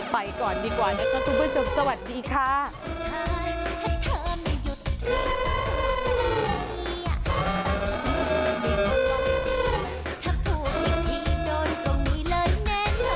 ถ้าพวกที่โดนตรงนี้แล้วแน่น